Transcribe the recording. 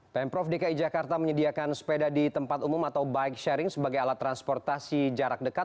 pemprov dki jakarta menyediakan sepeda di tempat umum atau bike sharing sebagai alat transportasi jarak dekat